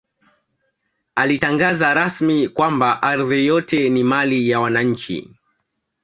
Alitangaza rasmi kwamba ardhi yote ni mali ya wananchi